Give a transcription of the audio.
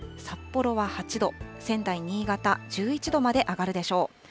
札幌は８度、仙台、新潟、１１度まで上がるでしょう。